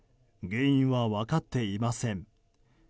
原因は分かっていません。